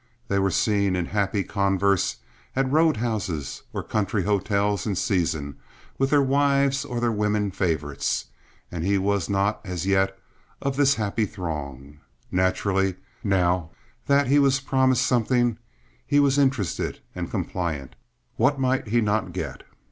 They were seen in happy converse at road houses or country hotels in season with their wives or their women favorites, and he was not, as yet, of this happy throng. Naturally now that he was promised something, he was interested and compliant. What might he not get?